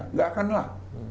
nggak akan lah